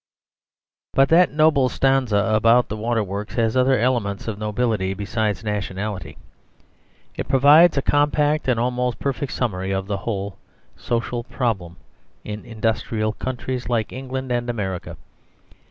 But that noble stanza about the water works has other elements of nobility besides nationality. It provides a compact and almost perfect summary of the whole social problem in industrial countries like England and America.